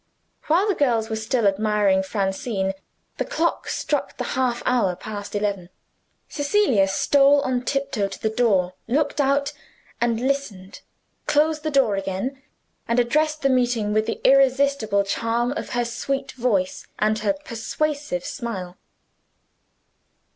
While the girls were still admiring Francine, the clock struck the half hour past eleven. Cecilia stole on tiptoe to the door looked out, and listened closed the door again and addressed the meeting with the irresistible charm of her sweet voice and her persuasive smile.